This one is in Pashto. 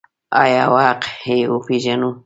آیا او حق یې وپیژني؟